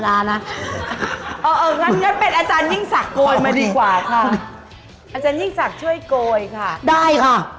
ได้ค่ะ